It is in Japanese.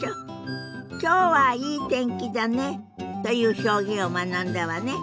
「きょうはいい天気だね」という表現を学んだわね。